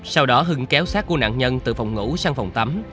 sau đó hưng kéo sát của nạn nhân từ phòng ngủ sang phòng tắm